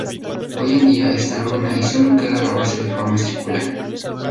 Hoy en día está en ruina y sólo queda la base de forma circular.